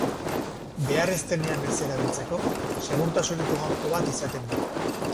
Behar ez denean ez erabiltzeko, segurtasuneko gako bat izaten du.